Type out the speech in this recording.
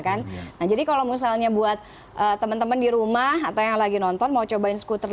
kan nah jadi kalau misalnya buat teman teman di rumah atau yang lagi nonton mau cobain skuter